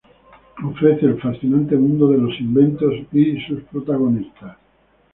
Ofrece el fascinante mundo de los inventos y sus protagonistas.